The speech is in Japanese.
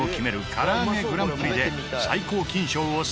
からあげグランプリで最高金賞を３度受賞。